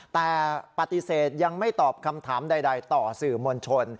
แต่ปฏิเสธยังไม่ตอบคำถามใดต่อสื่อมวลชน